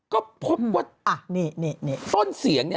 ก็พบว่าต้นเสียงนี่